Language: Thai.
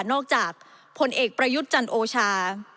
จากผลเอกประยุทธ์จันโอชา